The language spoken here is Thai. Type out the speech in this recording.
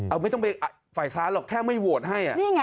เอาไม่ต้องไปฝ่ายค้านหรอกแค่ไม่โหวตให้